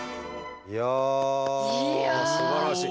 いやすばらしい。